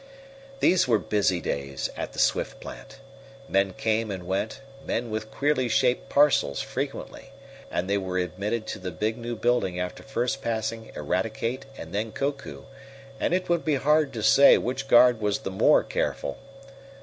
These were busy days at the Swift plant. Men came and went men with queerly shaped parcels frequently and they were admitted to the big new building after first passing Eradicate and then Koku, and it would be hard to say which guard was the more careful.